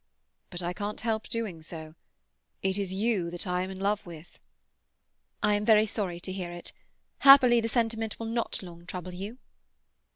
"But I can't help doing so. It is you that I am in love with." "I am very sorry to hear it. Happily, the sentiment will not long trouble you."